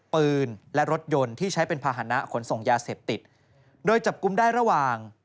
ปืนและรถยนต์ที่ใช้เป็นภาษณะขนส่งยาเสพติดโดยจับกุมได้ระหว่าง